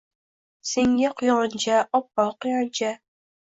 Senga quyoncha, oppoq quyoncha!